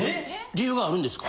理由があるんですか？